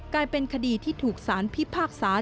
กลายเป็นคดีที่ถูกสารพิพากษา